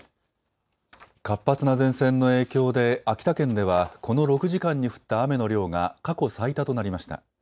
活発な前線の影響で秋田県ではこの６時間に降った雨の量が過去最多となりました。